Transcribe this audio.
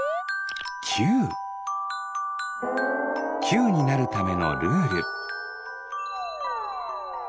きゅうになるためのルール。